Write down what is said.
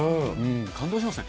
感動しましたね。